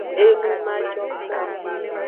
Enu majokpo.